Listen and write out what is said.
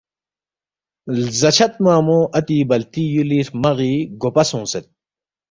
لزاچھد منگمو آتی بلتی یولی ہرمغی گوپا سونگسید